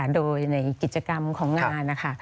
โดยในกิจกรรมของงาน